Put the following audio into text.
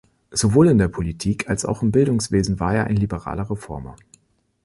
Sowohl in der Politik als auch im Bildungswesen war er ein liberaler Reformer.